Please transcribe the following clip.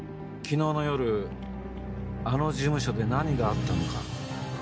昨日の夜あの事務所で何があったのか。